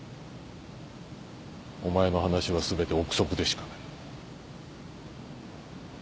お前の話は全て臆測でしかない。